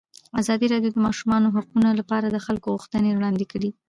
ازادي راډیو د د ماشومانو حقونه لپاره د خلکو غوښتنې وړاندې کړي.